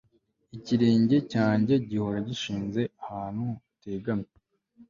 ikirenge cyanjye gihora gishinze ahantu hategamye